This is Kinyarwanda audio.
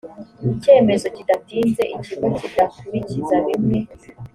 cyemezo bidatinze ikigo kidakurikiza bimwe